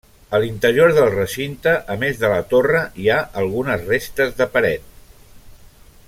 A l'interior del recinte, a més de la torre, hi ha algunes restes de paret.